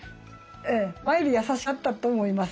ええ前より優しくなったと思います